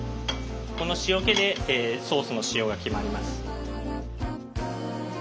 この塩気でソースの塩が決まります。